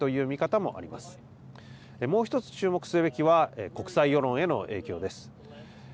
もう一つ注目するべきは、国際世論への影響です。